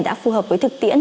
đã phù hợp với thực tiễn